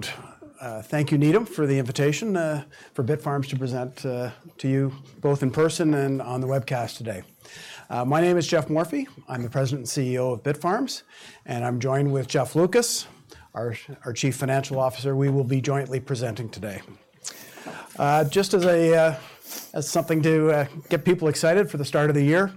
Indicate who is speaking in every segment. Speaker 1: Thank you, Needham, for the invitation, for Bitfarms to present, to you both in person and on the webcast today. My name is Geoff Morphy. I'm the President and CEO of Bitfarms, and I'm joined with Jeff Lucas, our Chief Financial Officer. We will be jointly presenting today. Just as a, as something to, get people excited for the start of the year,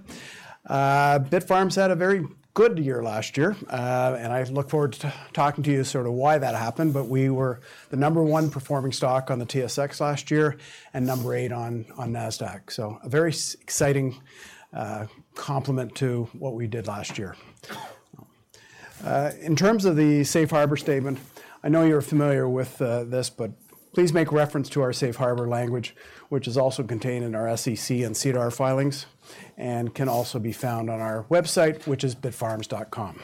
Speaker 1: Bitfarms had a very good year last year. I look forward to talking to you sort of why that happened, but we were the number 1 performing stock on the TSX last year and number 8 on Nasdaq. So a very exciting complement to what we did last year. In terms of the safe harbor statement, I know you're familiar with this, but please make reference to our safe harbor language, which is also contained in our SEC and SEDAR filings, and can also be found on our website, which is bitfarms.com.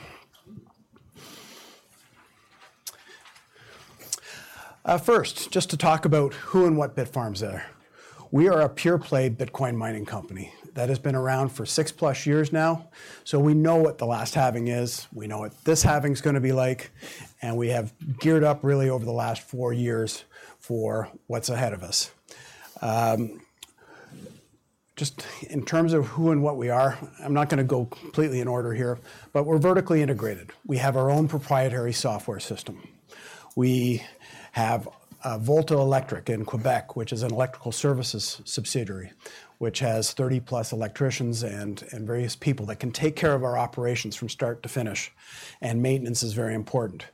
Speaker 1: First, just to talk about who and what Bitfarms are. We are a pure-play Bitcoin mining company that has been around for six-plus years now. So we know what the last Halving is, we know what this Halving is gonna be like, and we have geared up really over the last four years for what's ahead of us. Just in terms of who and what we are, I'm not gonna go completely in order here, but we're vertically integrated. We have our own proprietary software system. We have Volta Electrique in Quebec, which is an electrical services subsidiary, which has 30-plus electricians and various people that can take care of our operations from start to finish, and maintenance is very important.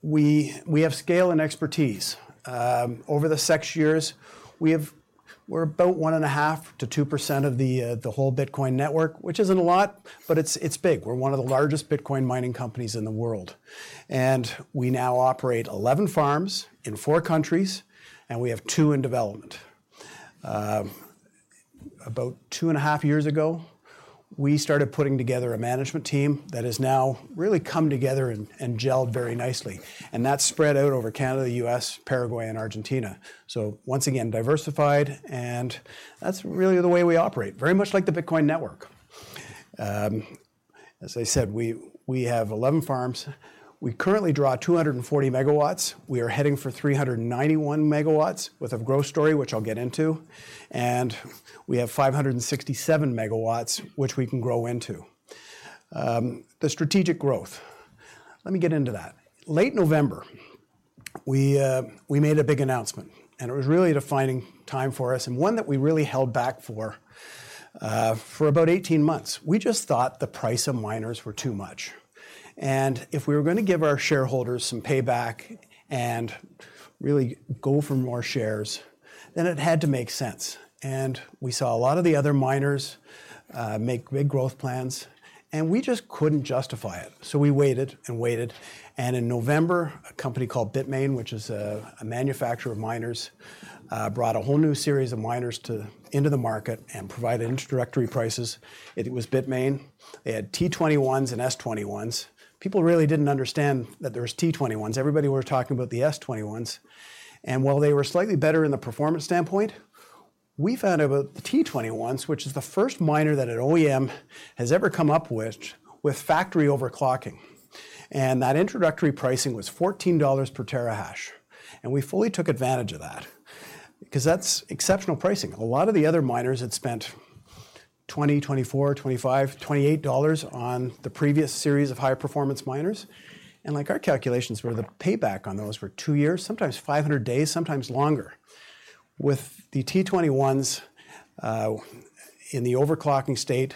Speaker 1: We have scale and expertise. Over the six years, we have—we're about 1.5%-2% of the whole Bitcoin network, which isn't a lot, but it's big. We're one of the largest Bitcoin mining companies in the world. We now operate 11 farms in four countries, and we have 2 in development. About 2.5 years ago, we started putting together a management team that has now really come together and gelled very nicely, and that's spread out over Canada, U.S., Paraguay, and Argentina. So once again, diversified, and that's really the way we operate, very much like the Bitcoin network. As I said, we have 11 farms. We currently draw 240 megawatts. We are heading for 391 megawatts with a growth story, which I'll get into, and we have 567 megawatts, which we can grow into. The strategic growth. Let me get into that. Late November, we made a big announcement, and it was really a defining time for us and one that we really held back for about 18 months. We just thought the price of miners were too much, and if we were gonna give our shareholders some payback and really go for more shares, then it had to make sense. And we saw a lot of the other miners make big growth plans, and we just couldn't justify it. So we waited and waited, and in November, a company called Bitmain, which is a manufacturer of miners, brought a whole new series of miners into the market and provided introductory prices. It was Bitmain. They had T21s and S21s. People really didn't understand that there was T21s. Everybody was talking about the S21s, and while they were slightly better in the performance standpoint, we found out about the T21s, which is the first miner that an OEM has ever come up with, with factory overclocking. And that introductory pricing was $14 per terahash, and we fully took advantage of that because that's exceptional pricing. A lot of the other miners had spent $20, $24, $25, $28 on the previous series of high-performance miners. Like, our calculations were the payback on those were 2 years, sometimes 500 days, sometimes longer. With the T21s in the overclocking state,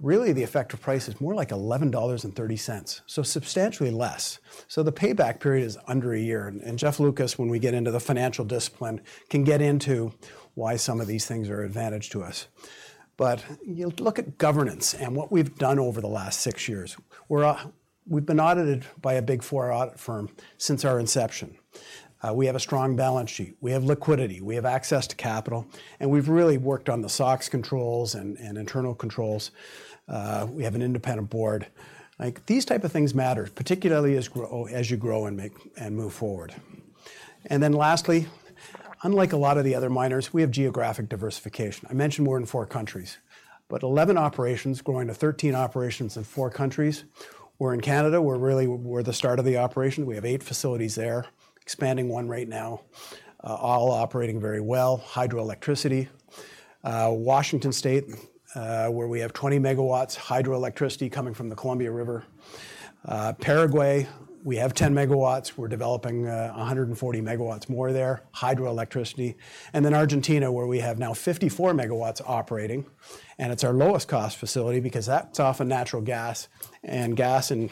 Speaker 1: really, the effective price is more like $11.30, so substantially less. The payback period is under a year, and, and Jeff Lucas, when we get into the financial discipline, can get into why some of these things are advantage to us. You look at governance and what we've done over the last 6 years. We're, we've been audited by a Big Four audit firm since our inception. We have a strong balance sheet, we have liquidity, we have access to capital, and we've really worked on the SOX controls and, and internal controls. We have an independent board. Like, these type of things matter, particularly as you grow and move forward. Lastly, unlike a lot of the other miners, we have geographic diversification. I mentioned we're in four countries, but 11 operations, growing to 13 operations in four countries. We're in Canada, we're really the start of the operation. We have 8 facilities there, expanding one right now, all operating very well, hydroelectricity. Washington State, where we have 20 MW, hydroelectricity coming from the Columbia River. Paraguay, we have 10 MW. We're developing 140 MW more there, hydroelectricity. And then Argentina, where we have now 54 MW operating, and it's our lowest-cost facility because that's off of natural gas, and gas and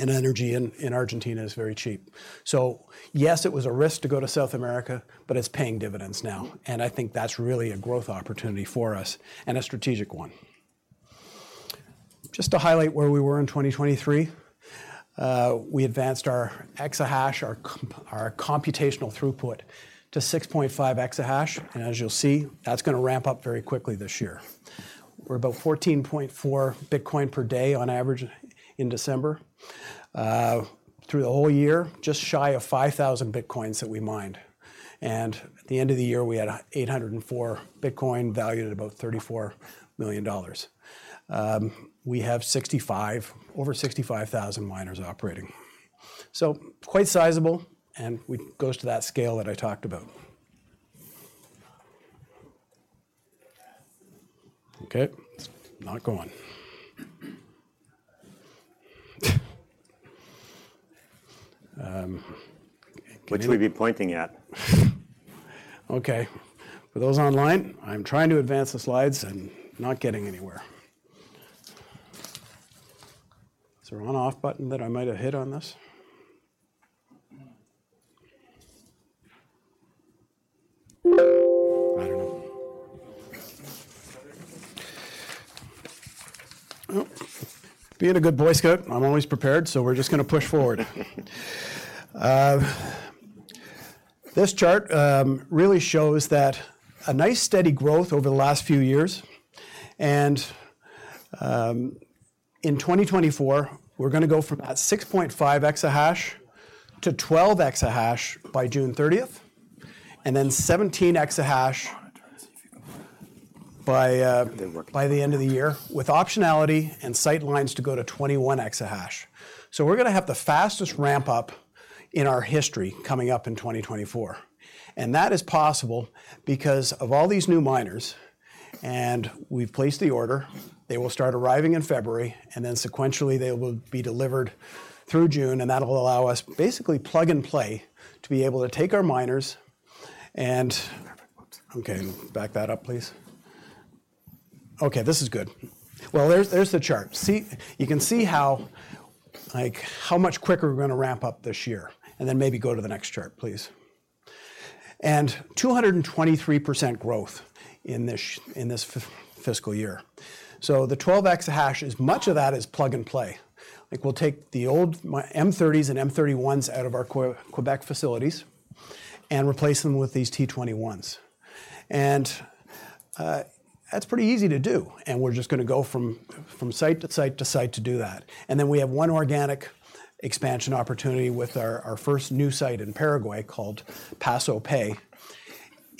Speaker 1: energy in Argentina is very cheap. So yes, it was a risk to go to South America, but it's paying dividends now, and I think that's really a growth opportunity for us and a strategic one. Just to highlight where we were in 2023, we advanced our exahash, our computational throughput to 6.5 exahash, and as you'll see, that's gonna ramp up very quickly this year. We're about 14.4 Bitcoin per day on average in December. Through the whole year, just shy of 5,000 Bitcoins that we mined, and at the end of the year, we had 804 Bitcoin valued at about $34 million. We have over 65,000 miners operating. So quite sizable, and goes to that scale that I talked about.
Speaker 2: What should we be pointing at?
Speaker 1: Okay, for those online, I'm trying to advance the slides and not getting anywhere. Is there a on/off button that I might have hit on this? I don't know. Well, being a good Boy Scout, I'm always prepared, so we're just gonna push forward. This chart really shows that a nice, steady growth over the last few years. And, in 2024, we're gonna go from about 6.5 exahash to 12 exahash by June thirtieth, and then 17 exahash-
Speaker 2: Try to see if you go...
Speaker 1: - by, uh-
Speaker 2: They weren't-
Speaker 1: By the end of the year, with optionality and sight lines to go to 21 exahash. So we're gonna have the fastest ramp-up in our history coming up in 2024, and that is possible because of all these new miners. And we've placed the order. They will start arriving in February, and then sequentially, they will be delivered through June, and that'll allow us, basically plug and play, to be able to take our miners and-
Speaker 2: Perfect.
Speaker 1: Okay, back that up, please. Okay, this is good. Well, there's the chart. See. You can see how, like, how much quicker we're gonna ramp up this year, and then maybe go to the next chart, please. 223% growth in this fiscal year. So the 12 exahash, as much of that is plug and play. Like, we'll take the old M30s and M31s out of our Quebec facilities and replace them with these T21s. And that's pretty easy to do, and we're just gonna go from site to site to site to do that. And then we have one organic expansion opportunity with our first new site in Paraguay, called Paso Pe.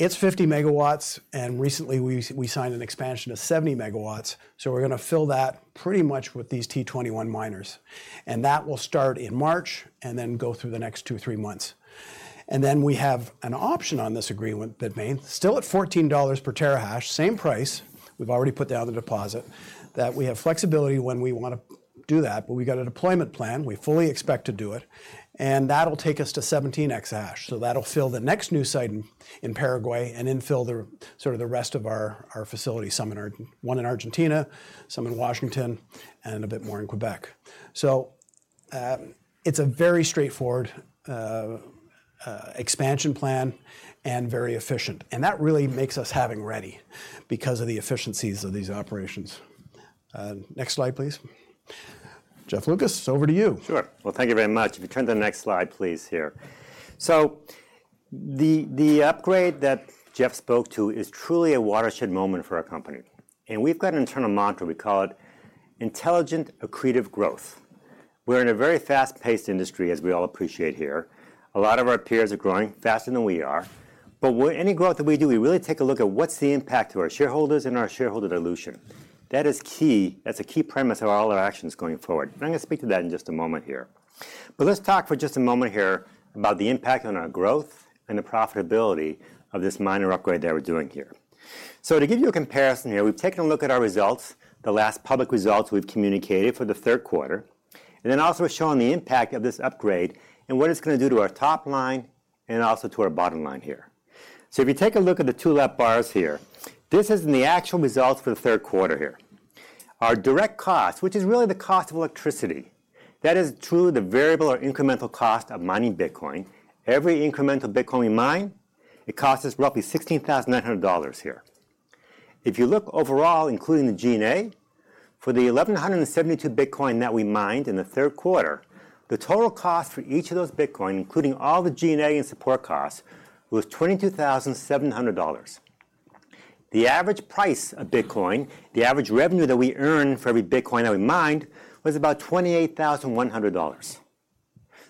Speaker 1: It's 50 MW, and recently we signed an expansion to 70 MW, so we're gonna fill that pretty much with these T21 miners. And that will start in March and then go through the next 2 to 3 months. And then we have an option on this agreement that remains still at $14 per terahash, same price, we've already put down the deposit, that we have flexibility when we wanna do that, but we've got a deployment plan. We fully expect to do it, and that'll take us to 17 exahash. So that'll fill the next new site in Paraguay and then fill the rest of our facilities, some in one in Argentina, some in Washington, and a bit more in Quebec. So, it's a very straightforward expansion plan and very efficient, and that really makes us having ready because of the efficiencies of these operations. Next slide, please. Jeff Lucas, over to you.
Speaker 2: Sure. Well, thank you very much. If you turn to the next slide, please, here. So the upgrade that Geoff spoke to is truly a watershed moment for our company, and we've got an internal mantra we call it: intelligent, accretive growth. We're in a very fast-paced industry, as we all appreciate here. A lot of our peers are growing faster than we are, but with any growth that we do, we really take a look at what's the impact to our shareholders and our shareholder dilution. That is key. That's a key premise of all our actions going forward, and I'm gonna speak to that in just a moment here. But let's talk for just a moment here about the impact on our growth and the profitability of this minor upgrade that we're doing here. So to give you a comparison here, we've taken a look at our results, the last public results we've communicated for the third quarter, and then also showing the impact of this upgrade and what it's gonna do to our top line and also to our bottom line here. So if you take a look at the two left bars here, this is the actual results for the third quarter here. Our direct cost, which is really the cost of electricity, that is truly the variable or incremental cost of mining Bitcoin. Every incremental Bitcoin we mine, it costs us roughly $16,900 here. If you look overall, including the G&A, for the 1,172 Bitcoin that we mined in the third quarter, the total cost for each of those Bitcoin, including all the G&A and support costs, was $22,700. The average price of Bitcoin, the average revenue that we earn for every Bitcoin that we mined, was about $28,100.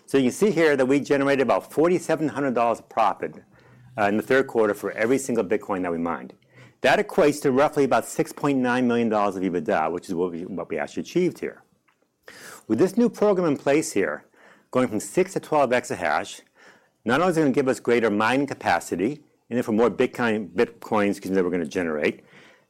Speaker 2: So you see here that we generated about $4,700 profit in the third quarter for every single Bitcoin that we mined. That equates to roughly about $6.9 million of EBITDA, which is what we actually achieved here. With this new program in place here, going from 6 to 12 exahash, not only is it gonna give us greater mining capacity and then for more bitcoins that we're gonna generate,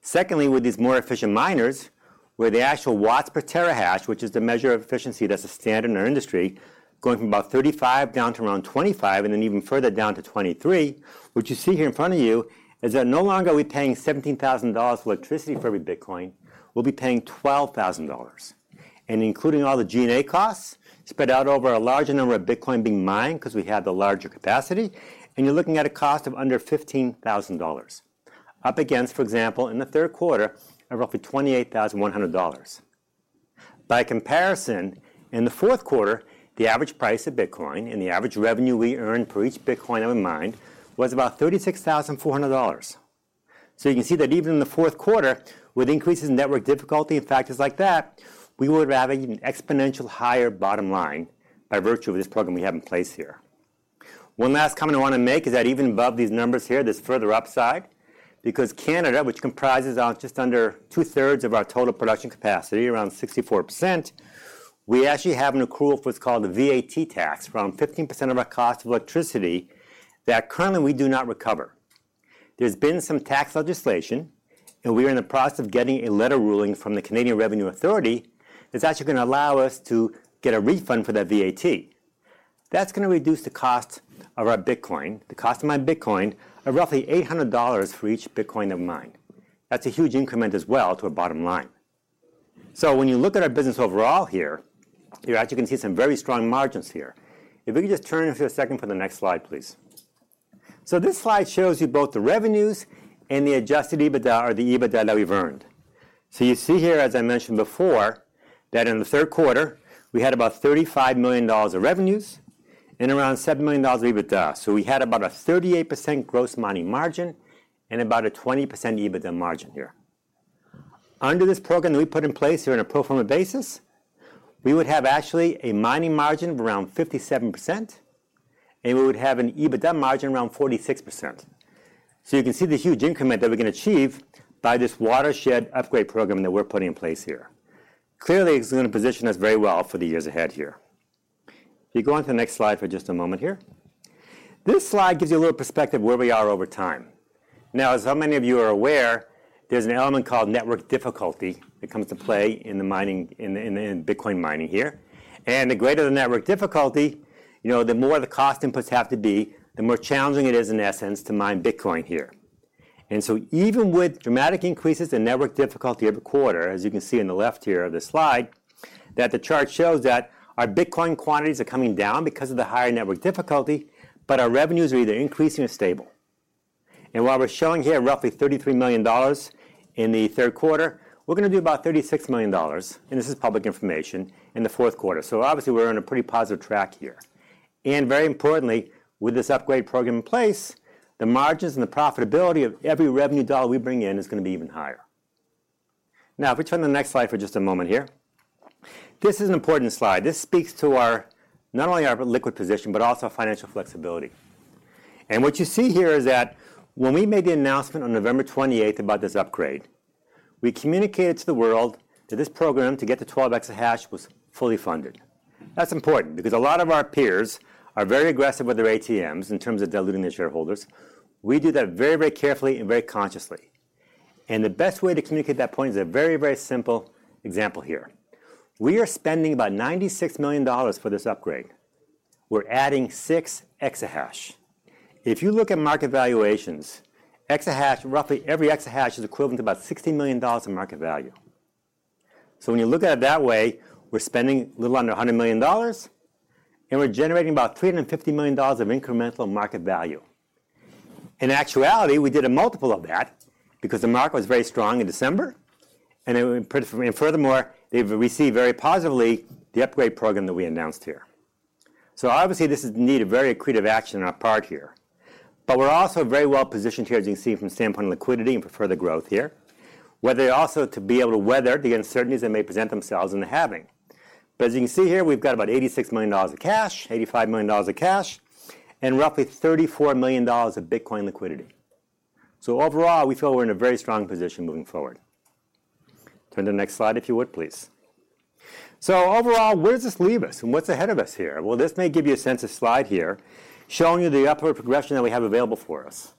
Speaker 2: secondly, with these more efficient miners, where the actual watts per terahash, which is the measure of efficiency that's a standard in our industry, going from about 35 down to around 25, and then even further down to 23. What you see here in front of you is that no longer are we paying $17,000 electricity for every Bitcoin, we'll be paying $12,000. And including all the G&A costs, spread out over a larger number of Bitcoin being mined, 'cause we have the larger capacity, and you're looking at a cost of under $15,000. Up against, for example, in the third quarter, of roughly $28,100. By comparison, in the fourth quarter, the average price of Bitcoin and the average revenue we earned for each Bitcoin that we mined was about $36,400.... So you can see that even in the fourth quarter, with increases in Network Difficulty and factors like that, we would have an exponential higher bottom line by virtue of this program we have in place here. One last comment I want to make is that even above these numbers here, there's further upside, because Canada, which comprises of just under two-thirds of our total production capacity, around 64%, we actually have an accrual of what's called the VAT tax, around 15% of our cost of electricity, that currently we do not recover. There's been some tax legislation, and we are in the process of getting a letter ruling from the Canada Revenue Agency, that's actually going to allow us to get a refund for that VAT. That's going to reduce the cost of our Bitcoin, the cost of mined Bitcoin, of roughly $800 for each Bitcoin mined. That's a huge increment as well to our bottom line. So when you look at our business overall here, you're actually going to see some very strong margins here. If we could just turn it for a second for the next slide, please. So this slide shows you both the revenues and the adjusted EBITDA, or the EBITDA that we've earned. So you see here, as I mentioned before, that in the third quarter, we had about $35 million of revenues and around $7 million of EBITDA. So we had about a 38% gross mining margin and about a 20% EBITDA margin here. Under this program that we put in place here on a pro forma basis, we would have actually a mining margin of around 57%, and we would have an EBITDA margin around 46%. So you can see the huge increment that we can achieve by this watershed upgrade program that we're putting in place here. Clearly, it's going to position us very well for the years ahead here. If you go on to the next slide for just a moment here. This slide gives you a little perspective of where we are over time. Now, as how many of you are aware, there's an element called Network Difficulty that comes to play in the mining in Bitcoin mining here. And the greater the Network Difficulty, you know, the more the cost inputs have to be, the more challenging it is, in essence, to mine Bitcoin here. And so even with dramatic increases in Network Difficulty every quarter, as you can see on the left here of this slide, that the chart shows that our Bitcoin quantities are coming down because of the higher Network Difficulty, but our revenues are either increasing or stable. While we're showing here roughly $33 million in the third quarter, we're going to do about $36 million, and this is public information, in the fourth quarter. So obviously, we're in a pretty positive track here. And very importantly, with this upgrade program in place, the margins and the profitability of every revenue dollar we bring in is going to be even higher. Now, if we turn to the next slide for just a moment here. This is an important slide. This speaks to our, not only our liquidity position, but also our financial flexibility. And what you see here is that when we made the announcement on November 28 about this upgrade, we communicated to the world that this program to get to 12 exahash was fully funded. That's important, because a lot of our peers are very aggressive with their ATMs in terms of diluting their shareholders. We do that very, very carefully and very consciously. The best way to communicate that point is a very, very simple example here. We are spending about $96 million for this upgrade. We're adding six exahash. If you look at market valuations, exahash, roughly every exahash is equivalent to about $60 million in market value. So when you look at it that way, we're spending a little under $100 million, and we're generating about $350 million of incremental market value. In actuality, we did a multiple of that because the market was very strong in December, and furthermore, it received very positively the upgrade program that we announced here. So obviously, this is a very accretive action on our part here. But we're also very well positioned here, as you can see, from the standpoint of liquidity and further growth here, whether also to be able to weather the uncertainties that may present themselves in the Halving. But as you can see here, we've got about $86 million of cash, $85 million of cash, and roughly $34 million of Bitcoin liquidity. So overall, we feel we're in a very strong position moving forward. Turn to the next slide, if you would, please. So overall, where does this leave us, and what's ahead of us here? Well, this may give you a sense of slide here, showing you the upward progression that we have available for us.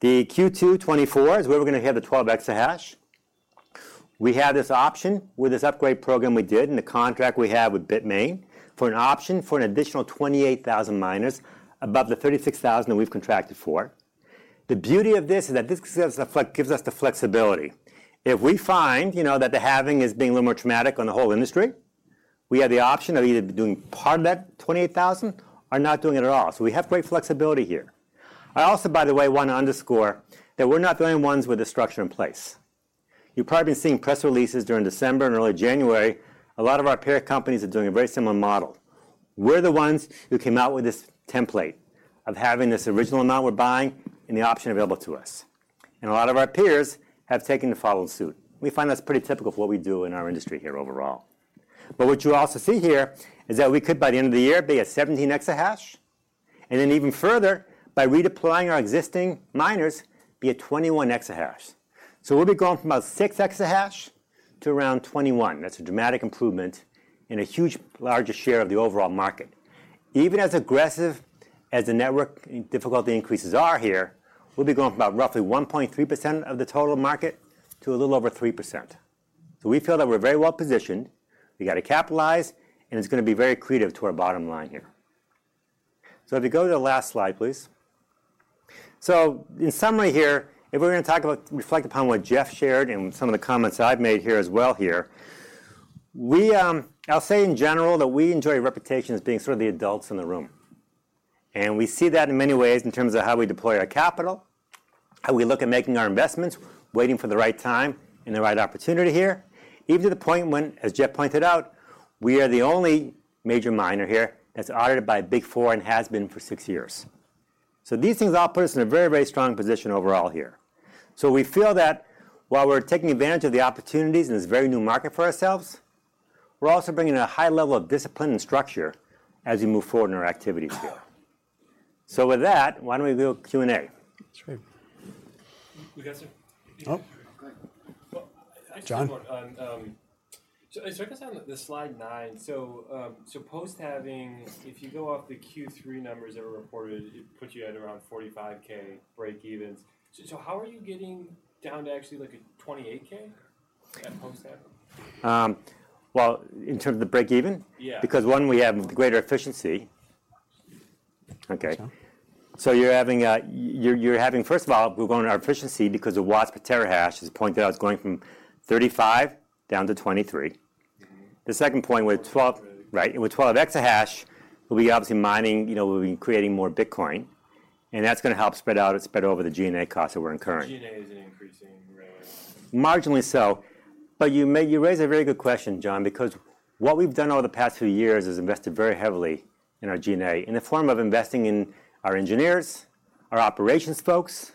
Speaker 2: The Q2 2024 is where we're going to have the 12 exahash. We have this option with this upgrade program we did, and the contract we have with Bitmain for an option for an additional 28,000 miners above the 36,000 that we've contracted for. The beauty of this is that this gives us the flexibility. If we find, you know, that the halving is being a little more traumatic on the whole industry, we have the option of either doing part of that 28,000 or not doing it at all. So we have great flexibility here. I also, by the way, want to underscore that we're not the only ones with this structure in place. You've probably been seeing press releases during December and early January. A lot of our peer companies are doing a very similar model. We're the ones who came out with this template of having this original amount we're buying and the option available to us, and a lot of our peers have taken to follow suit. We find that's pretty typical of what we do in our industry here overall. But what you also see here is that we could, by the end of the year, be at 17 exahash, and then even further, by redeploying our existing miners, be at 21 exahash. So we'll be going from about 6 exahash to around 21. That's a dramatic improvement and a huge, larger share of the overall market. Even as aggressive as the network difficulty increases are here, we'll be going from about roughly 1.3% of the total market to a little over 3%. So we feel that we're very well positioned. We got to capitalize, and it's going to be very accretive to our bottom line here. So if you go to the last slide, please. So in summary here, if we're going to reflect upon what Geoff shared and some of the comments I've made here as well here, we, I'll say in general, that we enjoy a reputation as being sort of the adults in the room. And we see that in many ways in terms of how we deploy our capital, how we look at making our investments, waiting for the right time and the right opportunity here, even to the point when, as Geoff pointed out, we are the only major miner here that's audited by Big Four and has been for six years. So these things all put us in a very, very strong position overall here. We feel that while we're taking advantage of the opportunities in this very new market for ourselves, we're also bringing a high level of discipline and structure as we move forward in our activities here. With that, why don't we do a Q&A?
Speaker 1: That's right.
Speaker 3: We got some.
Speaker 1: Oh, go ahead.
Speaker 3: Well, I just-
Speaker 2: John.
Speaker 3: I focus on slide 9. Post halving, if you go off the Q3 numbers that were reported, it puts you at around $45K break-evens. How are you getting down to actually like a $28K at post halving?
Speaker 2: Well, in terms of the breakeven?
Speaker 3: Yeah.
Speaker 2: Because one, we have greater efficiency. Okay.
Speaker 1: John.
Speaker 2: So you're having, first of all, we're growing our efficiency because the watts per terahash, as pointed out, is going from 35 down to 23.
Speaker 3: Mm-hmm.
Speaker 2: The second point, with 12, right, and with 12 Exahash, we'll be obviously mining, you know, we'll be creating more Bitcoin, and that's gonna help spread out, spread over the G&A costs that we're incurring.
Speaker 3: G&A is an increasing rate.
Speaker 2: Marginally so. But you make, you raise a very good question, John, because what we've done over the past few years is invested very heavily in our G&A, in the form of investing in our engineers, our operations folks,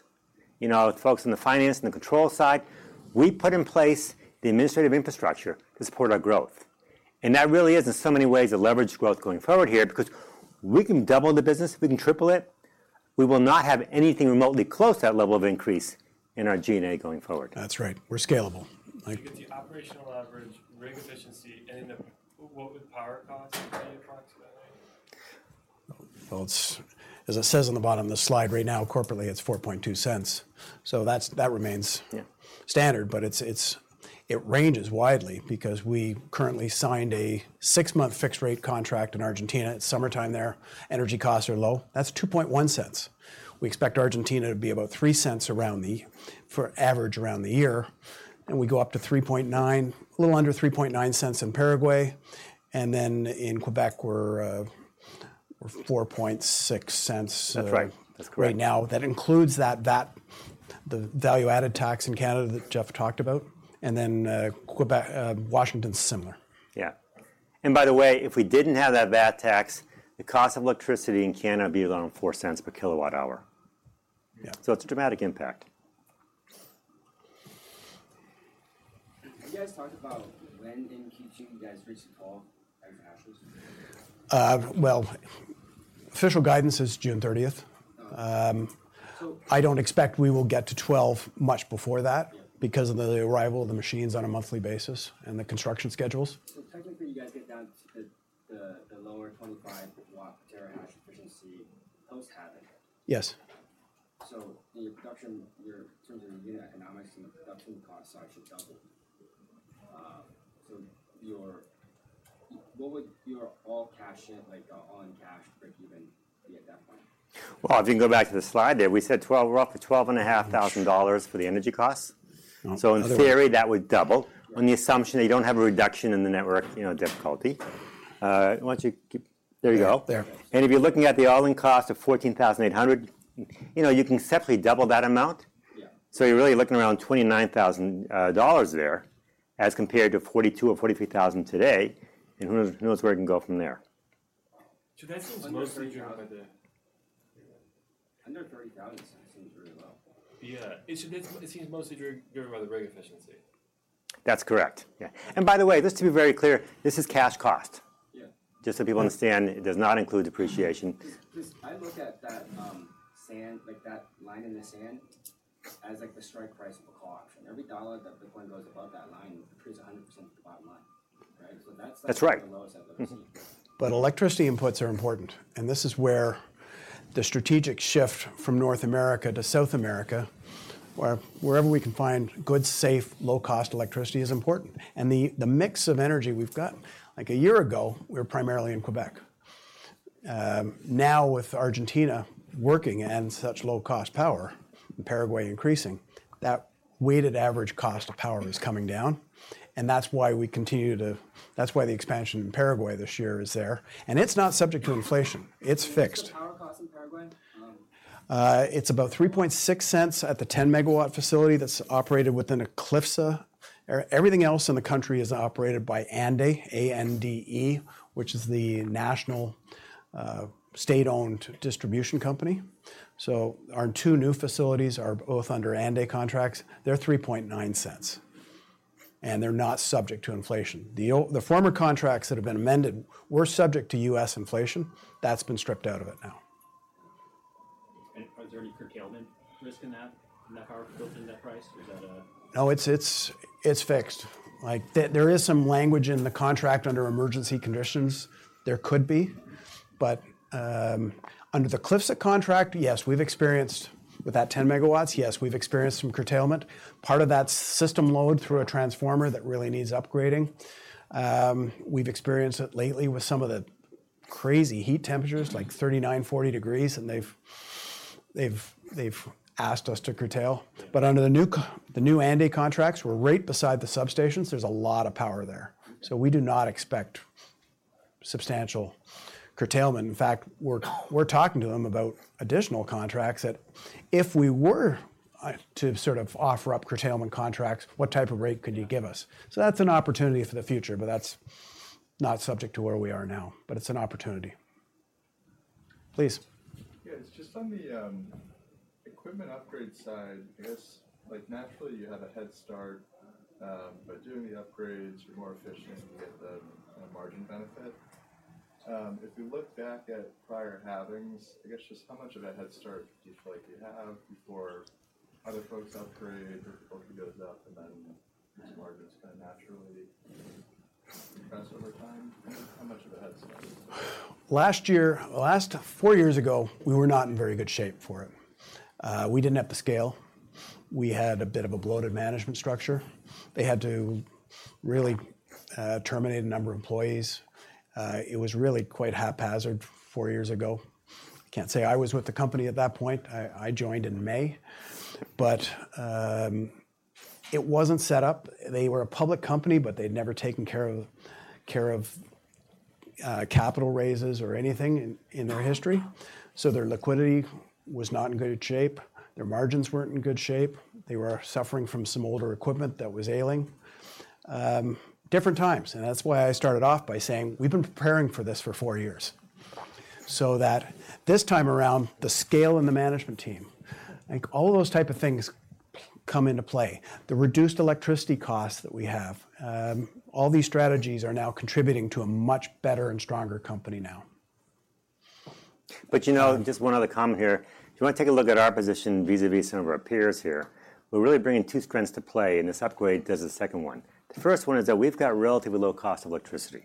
Speaker 2: you know, folks in the finance and the control side. We put in place the administrative infrastructure to support our growth, and that really is, in so many ways, a leverage growth going forward here. Because we can double the business, we can triple it, we will not have anything remotely close to that level of increase in our G&A going forward.
Speaker 1: That's right. We're scalable. Like-
Speaker 3: Because the operational leverage, rig efficiency, and the, what would power cost be approximately?
Speaker 1: Well, it's, as it says on the bottom of the slide right now, corporately, it's $0.042. So that's, that remains-
Speaker 2: Yeah...
Speaker 1: standard, but it's, it's, it ranges widely because we currently signed a six-month fixed rate contract in Argentina. It's summertime there, energy costs are low. That's $0.021. We expect Argentina to be about $0.03 around the, for average around the year, and we go up to $0.039, a little under $0.039 in Paraguay, and then in Quebec, we're, we're $0.046-
Speaker 2: That's right. That's correct....
Speaker 1: right now. That includes the value-added tax in Canada that Geoff talked about, and then Quebec, Washington's similar.
Speaker 2: Yeah. And by the way, if we didn't have that VAT tax, the cost of electricity in Canada would be around $0.04 per kWh.
Speaker 1: Yeah.
Speaker 2: It's a dramatic impact.
Speaker 4: Can you guys talk about when in Q2 you guys reached the 12 terahashes?
Speaker 1: Well, official guidance is June thirtieth.
Speaker 4: So-
Speaker 1: I don't expect we will get to 12 much before that-
Speaker 4: Yeah...
Speaker 1: because of the arrival of the machines on a monthly basis and the construction schedules.
Speaker 4: Technically, you guys get down to the lower 25 watt terahash efficiency post halving?
Speaker 1: Yes.
Speaker 4: So the production, in terms of unit economics and the production cost, so it should double. So what would your all-cash-in, like, all-in cash break-even be at that point?
Speaker 2: Well, if you can go back to the slide there, we said 12, we're up to $12.5 thousand for the energy costs.
Speaker 1: Yeah.
Speaker 2: In theory, that would double, on the assumption that you don't have a reduction in the Network Difficulty, you know. Why don't you keep... There you go.
Speaker 1: There.
Speaker 2: If you're looking at the all-in cost of $14,800, you know, you can safely double that amount.
Speaker 4: Yeah.
Speaker 2: So you're really looking around $29,000 there, as compared to $42,000 or $43,000 today, and who knows where it can go from there?
Speaker 3: That seems mostly driven by the...
Speaker 4: Under 30,000 seems really low.
Speaker 3: Yeah. It seems mostly driven by the rig efficiency.
Speaker 2: That's correct. Yeah. By the way, just to be very clear, this is cash cost.
Speaker 3: Yeah.
Speaker 2: Just so people understand, it does not include depreciation.
Speaker 4: 'Cause I look at that sand, like, that line in the sand, as, like, the strike price of a call option. Every dollar that Bitcoin goes above that line increases 100% of the bottom line, right? So that's-
Speaker 2: That's right...
Speaker 4: the lowest I've ever seen.
Speaker 1: But electricity inputs are important, and this is where the strategic shift from North America to South America, where we can find good, safe, low-cost electricity is important. And the mix of energy we've got, like a year ago, we were primarily in Quebec. Now, with Argentina working and such low-cost power, and Paraguay increasing, that weighted average cost of power is coming down, and that's why we continue to, that's why the expansion in Paraguay this year is there. And it's not subject to inflation, it's fixed.
Speaker 4: What's the power cost in Paraguay?
Speaker 1: It's about $0.036 at the 10-MW facility that's operated within CLYPSA. Everything else in the country is operated by ANDE, A-N-D-E, which is the national, state-owned distribution company. So our two new facilities are both under ANDE contracts. They're $0.039, and they're not subject to inflation. The former contracts that have been amended were subject to U.S. inflation. That's been stripped out of it now.
Speaker 3: Are there any curtailment risk in that, in that power built in that price, or is that a-
Speaker 1: No, it's fixed. Like, there is some language in the contract under emergency conditions, there could be. But under the Eclipsa contract, yes, we've experienced. With that 10 MW, yes, we've experienced some curtailment. Part of that's system load through a transformer that really needs upgrading. We've experienced it lately with some of the crazy heat temperatures, like 39, 40 degrees, and they've asked us to curtail. But under the new ANDE contracts, we're right beside the substations. There's a lot of power there, so we do not expect substantial curtailment. In fact, we're talking to them about additional contracts, that if we were to sort of offer up curtailment contracts, what type of rate could you give us? That's an opportunity for the future, but that's not subject to where we are now, but it's an opportunity. Please.
Speaker 5: Yeah, it's just on the equipment upgrade side, I guess, like naturally, you had a head start by doing the upgrades, you're more efficient, you get the margin benefit. If we look back at prior halvings, I guess just how much of a head start do you feel like you have before other folks upgrade or difficulty goes up, and then its margins kinda naturally compress over time? How much of a head start?
Speaker 1: Four years ago, we were not in very good shape for it. We didn't have the scale. We had a bit of a bloated management structure. They had to really terminate a number of employees. It was really quite haphazard four years ago. I can't say I was with the company at that point. I joined in May. But it wasn't set up. They were a public company, but they'd never taken care of capital raises or anything in their history. So their liquidity was not in good shape, their margins weren't in good shape, they were suffering from some older equipment that was ailing. Different times, and that's why I started off by saying: We've been preparing for this for four years. So that this time around, the scale and the management team, like all those type of things come into play. The reduced electricity costs that we have, all these strategies are now contributing to a much better and stronger company now.
Speaker 2: But, you know, just one other comment here. If you want to take a look at our position vis-à-vis some of our peers here, we're really bringing two strengths to play, and this upgrade does the second one. The first one is that we've got relatively low cost of electricity,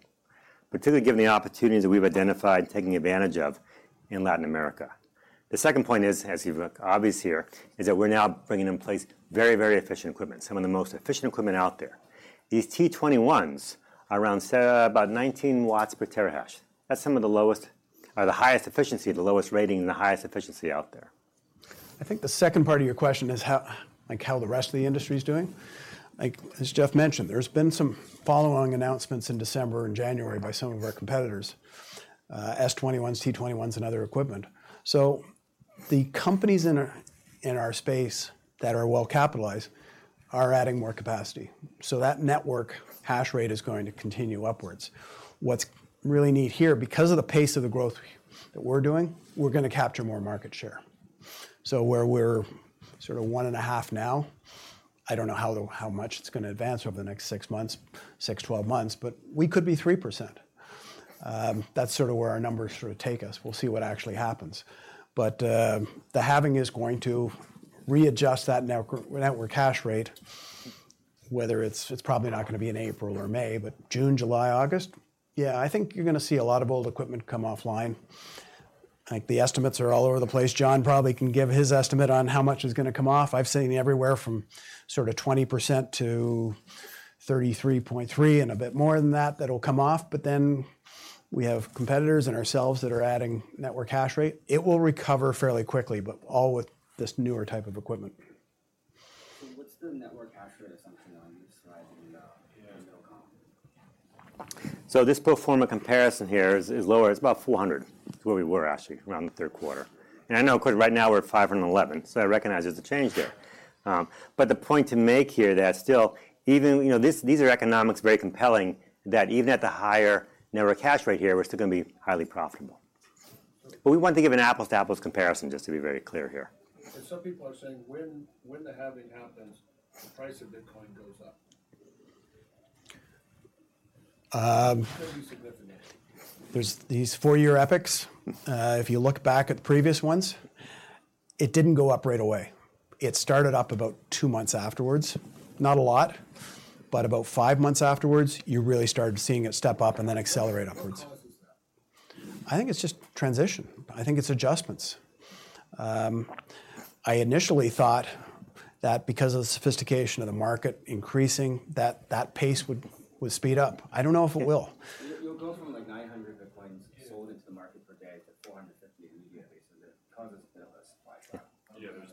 Speaker 2: particularly given the opportunities that we've identified and taking advantage of in Latin America. The second point is, as you've obviously seen here, is that we're now bringing in place very, very efficient equipment, some of the most efficient equipment out there. These T21s are around about 19 watts per terahash. That's some of the lowest, the highest efficiency, the lowest rating and the highest efficiency out there.
Speaker 1: I think the second part of your question is how, like, how the rest of the industry is doing. Like, as Geoff mentioned, there's been some following announcements in December and January by some of our competitors, S21, T21s, and other equipment. So the companies in our, in our space that are well capitalized are adding more capacity. So that network hash rate is going to continue upwards. What's really neat here, because of the pace of the growth that we're doing, we're gonna capture more market share. So where we're sort of 1.5 now, I don't know how much it's gonna advance over the next 6 months, 6-12 months, but we could be 3%. That's sort of where our numbers sort of take us. We'll see what actually happens. The halving is going to readjust that Network Hash Rate, whether it's probably not gonna be in April or May, but June, July, August? Yeah, I think you're gonna see a lot of old equipment come offline. I think the estimates are all over the place. John probably can give his estimate on how much is gonna come off. I've seen everywhere from sort of 20% to 33.3%, and a bit more than that, that will come off, but then we have competitors and ourselves that are adding Network Hash Rate. It will recover fairly quickly, but all with this newer type of equipment.
Speaker 6: What's the network hash rate assumption on these slides that you know?
Speaker 5: Yeah.
Speaker 6: There's no comp.
Speaker 2: So this pro forma comparison here is lower. It's about 400 to where we were actually, around the third quarter. I know, of course, right now we're at 511, so I recognize there's a change there. But the point to make here, that still even—you know, these are economics very compelling, that even at the higher network hash rate here, we're still gonna be highly profitable. But we want to give an apples-to-apples comparison, just to be very clear here.
Speaker 5: Some people are saying, when the Halving happens, the price of Bitcoin goes up.
Speaker 1: Um-
Speaker 5: It could be significant.
Speaker 1: There are these four-year cycles. If you look back at the previous ones, it didn't go up right away. It started up about two months afterwards. Not a lot, but about five months afterwards, you really started seeing it step up and then accelerate upwards.
Speaker 5: What causes that?
Speaker 1: I think it's just transition. I think it's adjustments. I initially thought that because of the sophistication of the market increasing, that pace would speed up. I don't know if it will.
Speaker 6: [inaudible] It will go from, like, 900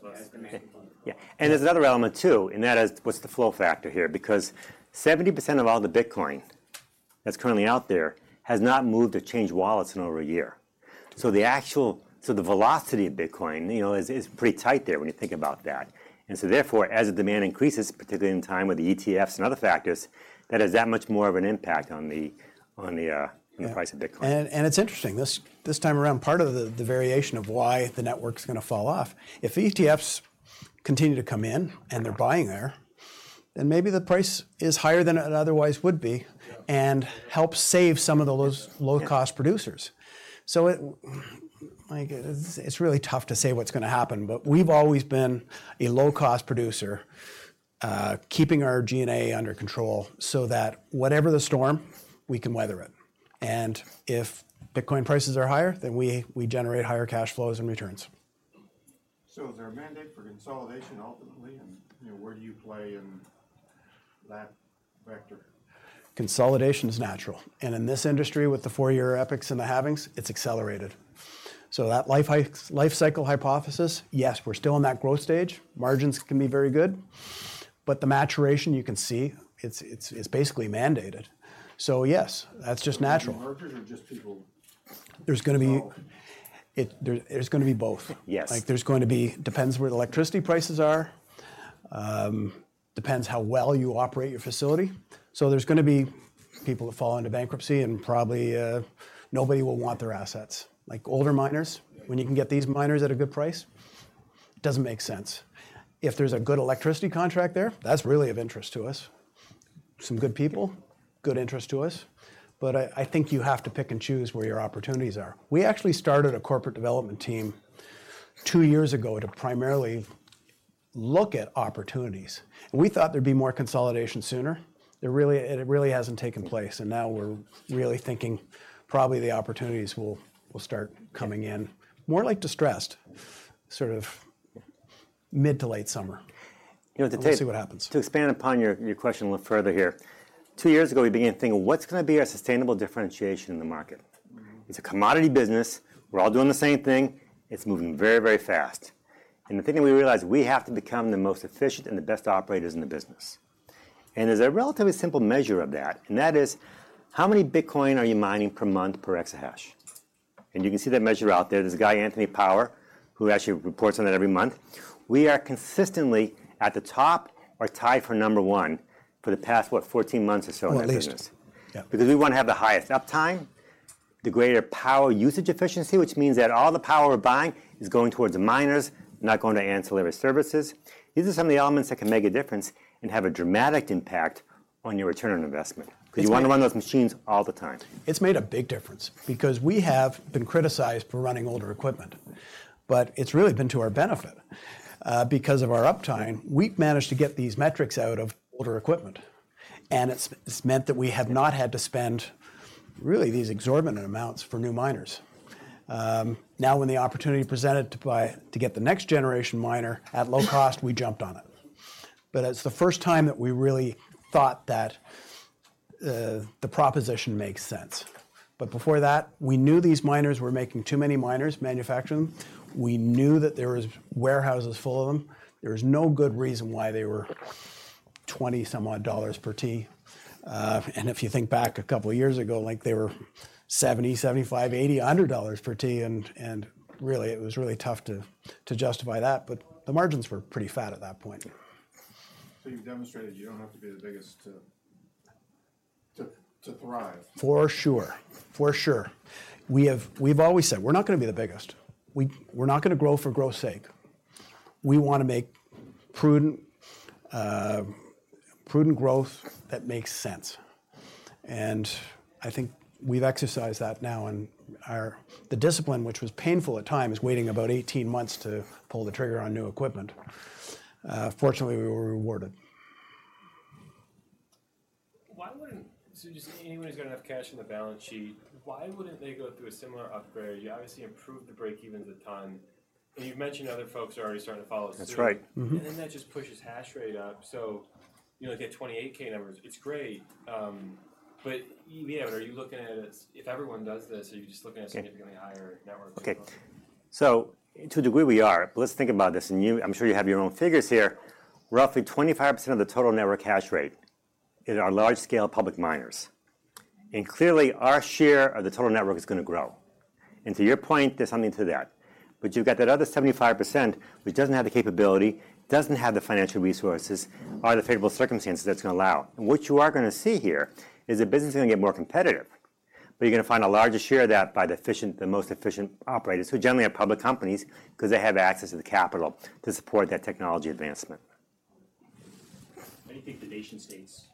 Speaker 6: Bitcoins sold into the market per day to 450 immediately, so that causes a bit of a supply drop.
Speaker 5: Yeah, there's less-
Speaker 2: Yeah, and there's another element, too, and that is what's the flow factor here? Because 70% of all the Bitcoin that's currently out there has not moved or changed wallets in over a year. So the actual. So the velocity of Bitcoin, you know, is pretty tight there when you think about that. And so therefore, as the demand increases, particularly in time with the ETFs and other factors, that has that much more of an impact on the price of Bitcoin.
Speaker 1: It's interesting, this time around, part of the variation of why the network's gonna fall off, if ETFs continue to come in and they're buying there, then maybe the price is higher than it otherwise would be.
Speaker 5: Yeah...
Speaker 1: and help save some of the low-cost producers. So, like, it's really tough to say what's gonna happen, but we've always been a low-cost producer, keeping our G&A under control so that whatever the storm, we can weather it. And if Bitcoin prices are higher, then we generate higher cash flows and returns.
Speaker 5: So is there a mandate for consolidation ultimately, and, you know, where do you play in that vector?
Speaker 1: Consolidation is natural, and in this industry, with the four-year epics and the halvings, it's accelerated... So that life cycle hypothesis, yes, we're still in that growth stage. Margins can be very good, but the maturation, you can see, it's, it's, it's basically mandated. So yes, that's just natural.
Speaker 7: Mergers or just people?
Speaker 1: There's gonna be-
Speaker 7: No.
Speaker 1: There's gonna be both.
Speaker 2: Yes.
Speaker 1: Like, there's going to be—depends where the electricity prices are, depends how well you operate your facility. So there's gonna be people that fall into bankruptcy, and probably, nobody will want their assets. Like, older miners, when you can get these miners at a good price, doesn't make sense. If there's a good electricity contract there, that's really of interest to us. Some good people, good interest to us, but I, I think you have to pick and choose where your opportunities are. We actually started a corporate development team two years ago to primarily look at opportunities. We thought there'd be more consolidation sooner. It really, it really hasn't taken place, and now we're really thinking probably the opportunities will, will start coming in, more like distressed, sort of mid to late summer.
Speaker 2: You know, to take-
Speaker 1: We'll see what happens.
Speaker 2: To expand upon your question a little further here. Two years ago, we began thinking, "What's gonna be our sustainable differentiation in the market?
Speaker 1: Mm-hmm.
Speaker 2: It's a commodity business. We're all doing the same thing. It's moving very, very fast. And the thing that we realized, we have to become the most efficient and the best operators in the business. And there's a relatively simple measure of that, and that is: how many Bitcoin are you mining per month per Exahash? And you can see that measure out there. There's a guy, Anthony Power, who actually reports on that every month. We are consistently at the top or tied for number one for the past, what, 14 months or so in that business.
Speaker 1: At least, yeah.
Speaker 2: Because we wanna have the highest uptime, the greater power usage efficiency, which means that all the power we're buying is going towards the miners, not going to ancillary services. These are some of the elements that can make a difference and have a dramatic impact on your return on investment-
Speaker 1: It's made-
Speaker 2: 'Cause you wanna run those machines all the time.
Speaker 1: It's made a big difference because we have been criticized for running older equipment, but it's really been to our benefit. Because of our uptime, we've managed to get these metrics out of older equipment, and it's meant that we have not had to spend really these exorbitant amounts for new miners. Now, when the opportunity presented to buy, to get the next generation miner at low cost, we jumped on it. But it's the first time that we really thought that the proposition makes sense. But before that, we knew these miners were making too many miners, manufacturing them. We knew that there was warehouses full of them. There was no good reason why they were $20-some-odd per T. If you think back a couple years ago, like, they were $70, $75, $80, $100 per T, and really, it was really tough to justify that, but the margins were pretty fat at that point.
Speaker 7: So you've demonstrated you don't have to be the biggest to thrive?
Speaker 1: For sure. For sure. We've always said, "We're not gonna be the biggest." We're not gonna grow for growth's sake. We wanna make prudent, prudent growth that makes sense, and I think we've exercised that now in our... The discipline, which was painful at times, waiting about 18 months to pull the trigger on new equipment. Fortunately, we were rewarded.
Speaker 3: Why wouldn't... So you're saying anyone who's gonna have cash on the balance sheet, why wouldn't they go through a similar upgrade? You obviously improved the break-even to ton, and you've mentioned other folks are already starting to follow suit.
Speaker 1: That's right. Mm-hmm.
Speaker 3: And then that just pushes hash rate up, so, you know, like at 28K numbers, it's great, but yeah, are you looking at it as if everyone does this, or are you just looking at-
Speaker 1: Okay...
Speaker 3: significantly higher network?
Speaker 2: Okay. So to a degree, we are, but let's think about this, and you, I'm sure you have your own figures here. Roughly 25% of the total Network Hash Rate is our large-scale public miners, and clearly, our share of the total network is gonna grow. And to your point, there's something to that, but you've got that other 75%, which doesn't have the capability, doesn't have the financial resources or the favorable circumstances that's gonna allow. What you are gonna see here is the business is gonna get more competitive, but you're gonna find a larger share of that by the efficient, the most efficient operators, who generally are public companies because they have access to the capital to support that technology advancement.
Speaker 7: You think the nation states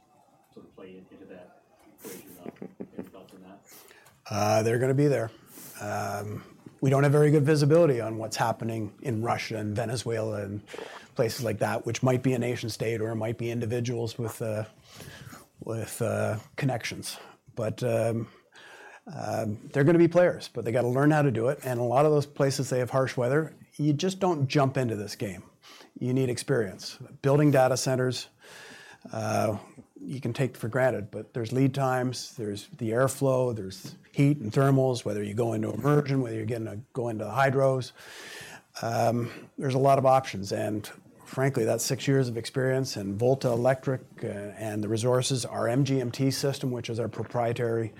Speaker 7: sort of play into that equation as well? Any thoughts on that?
Speaker 1: They're gonna be there. We don't have very good visibility on what's happening in Russia and Venezuela and places like that, which might be a nation state, or it might be individuals with connections. But, they're gonna be players, but they gotta learn how to do it, and a lot of those places, they have harsh weather. You just don't jump into this game. You need experience. Building data centers, you can take for granted, but there's lead times, there's the airflow, there's heat and thermals, whether you're go into immersion, whether you're gonna go into hydros. There's a lot of options, and frankly, that's six years of experience in Volta Electrique, and the resources, our MGMT system, which is our proprietary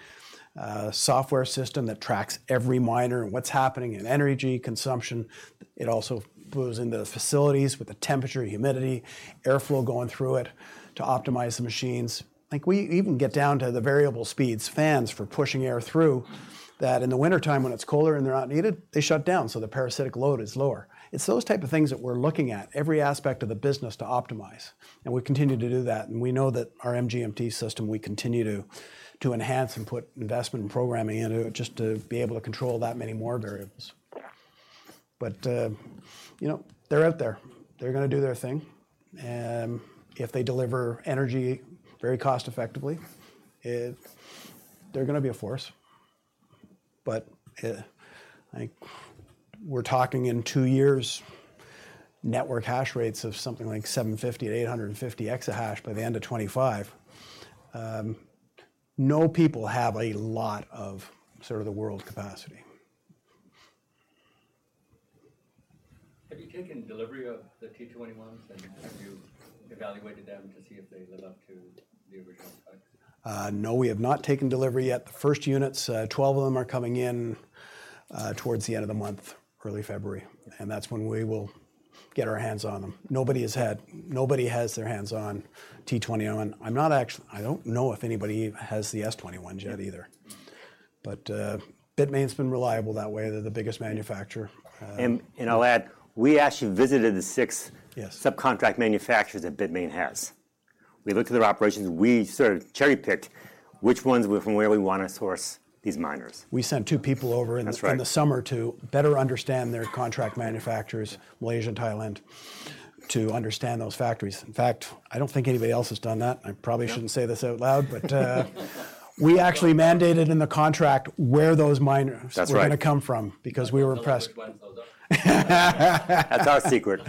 Speaker 1: software system that tracks every miner and what's happening in energy consumption. It also goes into the facilities with the temperature, humidity, airflow going through it to optimize the machines. Like, we even get down to the variable speeds fans for pushing air through, that in the wintertime, when it's colder and they're not needed, they shut down, so the parasitic load is lower. It's those type of things that we're looking at, every aspect of the business to optimize, and we continue to do that, and we know that our MGMT system, we continue to enhance and put investment and programming into it, just to be able to control that many more variables. But, you know, they're out there. They're gonna do their thing, and if they deliver energy very cost-effectively, they're gonna be a force. But, we're talking in two years-... Network hash rates of something like 750-850 exahash by the end of 2025. No people have a lot of sort of the world capacity.
Speaker 4: Have you taken delivery of the T21s, and have you evaluated them to see if they live up to the original price?
Speaker 1: No, we have not taken delivery yet. The first units, 12 of them are coming in, towards the end of the month, early February, and that's when we will get our hands on them. Nobody has had—nobody has their hands on T21. I'm not actually—I don't know if anybody has the S21 yet either. But, Bitmain's been reliable that way. They're the biggest manufacturer.
Speaker 2: I'll add, we actually visited the six-
Speaker 1: Yes...
Speaker 2: subcontract manufacturers that Bitmain has. We looked at their operations. We sort of cherry-picked which ones were from where we wanna source these miners.
Speaker 1: We sent two people over-
Speaker 2: That's right...
Speaker 1: in the summer to better understand their contract manufacturers, Malaysia and Thailand, to understand those factories. In fact, I don't think anybody else has done that, and I probably shouldn't say this out loud -... but, we actually mandated in the contract where those miners -
Speaker 2: That's right
Speaker 1: were gonna come from because we were impressed.
Speaker 4: Which ones those are?
Speaker 2: That's our secret.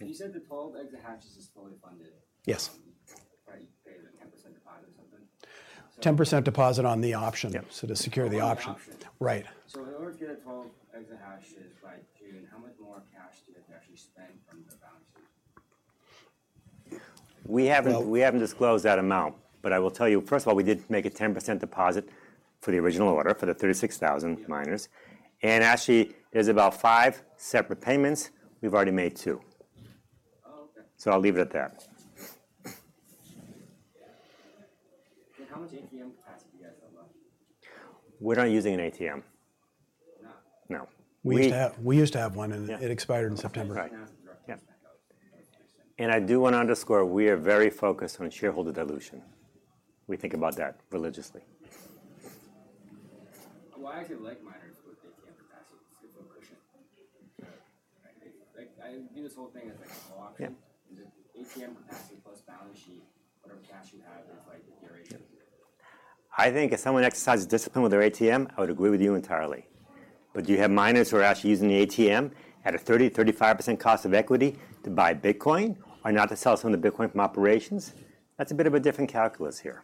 Speaker 4: You said the 12 exahashes is fully funded.
Speaker 1: Yes.
Speaker 4: Probably you paid a 10% deposit or something?
Speaker 1: 10% deposit on the option-
Speaker 2: Yep...
Speaker 1: so to secure the option.
Speaker 4: On the option.
Speaker 1: Right.
Speaker 4: In order to get 12 exahashes by June, how much more cash do you have to actually spend from the balance sheet?
Speaker 2: We haven't disclosed that amount, but I will tell you, first of all, we did make a 10% deposit for the original order, for the 36,000 miners.
Speaker 4: Yeah.
Speaker 2: Actually, there's about 5 separate payments. We've already made 2.
Speaker 4: Oh, okay.
Speaker 2: I'll leave it at that.
Speaker 4: How much ATM capacity do you guys have left?
Speaker 2: We're not using an ATM.
Speaker 4: No?
Speaker 2: No. We-
Speaker 1: We used to have one, and-
Speaker 2: Yeah...
Speaker 1: it expired in September.
Speaker 2: Right.
Speaker 4: That's the direction back out.
Speaker 2: Yeah. I do wanna underscore, we are very focused on shareholder dilution. We think about that religiously.
Speaker 4: Well, I actually like miners with ATM capacity, simple version. Like, I view this whole thing as, like, a call option.
Speaker 2: Yeah.
Speaker 4: The ATM capacity plus balance sheet, whatever cash you have is like your ATM.
Speaker 2: I think if someone exercises discipline with their ATM, I would agree with you entirely. But do you have miners who are actually using the ATM at a 30% to 35% cost of equity to buy Bitcoin, or not to sell some of the Bitcoin from operations? That's a bit of a different calculus here.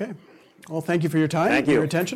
Speaker 1: Okay, well, thank you for your time-
Speaker 2: Thank you...
Speaker 1: and your attention.